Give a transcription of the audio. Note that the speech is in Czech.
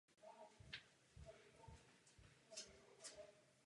Ekonomika pak klesá až na primitivní úroveň.